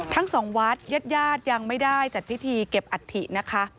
ทั้งสองวัดญาติญาติยังไม่ได้จัดพิธีเก็บอัฐินะคะ